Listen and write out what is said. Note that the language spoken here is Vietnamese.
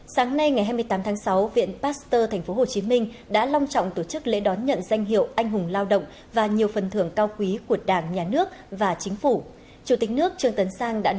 sáng nay ngày hai mươi tám tháng sáu nga đã đưa ra một bộ tin tức quan trọng khác